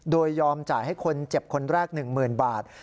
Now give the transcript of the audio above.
โดยยอมจ่ายให้คนเจ็บคนแรก๑๐๐๐บาท